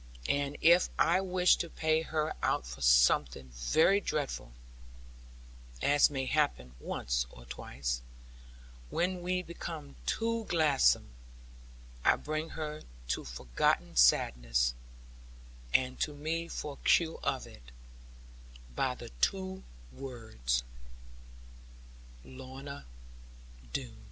And if I wish to pay her out for something very dreadful as may happen once or twice, when we become too gladsome I bring her to forgotten sadness, and to me for cure of it, by the two words 'Lorna Doone.'